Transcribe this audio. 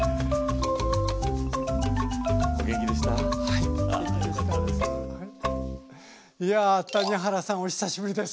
いや谷原さんお久しぶりです。